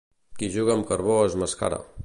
Qui juga amb carbó es mascara.